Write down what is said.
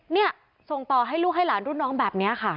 เนี่ยส่งต่อให้ลูกให้หลานรุ่นน้องแบบนี้ค่ะ